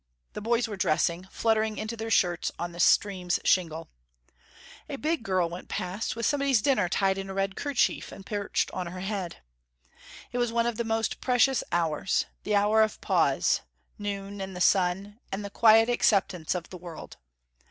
The boys were dressing, fluttering into their shirts on the stream's shingle. A big girl went past, with somebody's dinner tied in a red kerchief and perched on her head. It was one of the most precious hours: the hour of pause, noon, and the sun, and the quiet acceptance of the world.